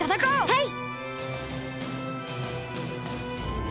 はい！